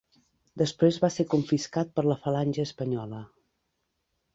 Després va ser confiscat per la Falange Espanyola.